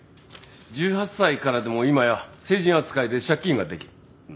１８歳からでも今や成人扱いで借金ができる。